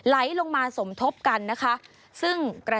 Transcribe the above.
สวัสดีค่ะสวัสดีค่ะ